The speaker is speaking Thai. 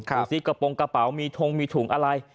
ดูสิกระโปรงกระเป๋ามีทงมีถุงอะไร